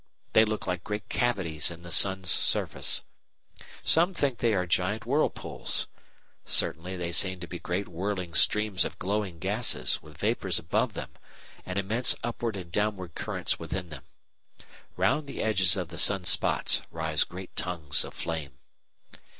They look like great cavities in the sun's surface. Some think they are giant whirlpools. Certainly they seem to be great whirling streams of glowing gases with vapours above them and immense upward and downward currents within them. Round the edges of the sun spots rise great tongues of flame.